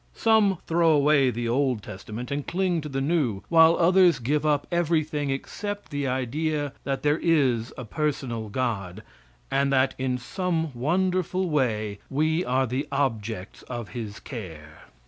Some throw away the old testament and cling to the new, while others give up everything except the idea that there is a personal God, and that in some wonderful way we are the objects of His care.